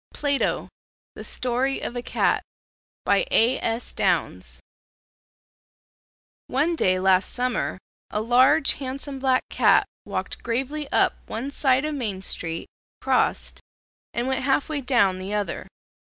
PLATO: THE STORY OF A CAT By A. S. Downs One day last summer a large handsome black cat walked gravely up one side of Main street, crossed, and went half way down the other.